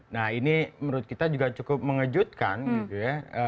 nah ini menurut kita juga cukup mengejutkan gitu ya